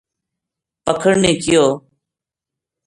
پکھن نے کہیو